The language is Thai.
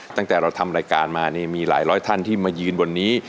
ตั้งแต่เราทำรายการมานี่มีหลายร้อยท่านที่มายืนบนนี้